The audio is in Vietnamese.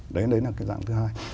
đấy là cái dạng thứ hai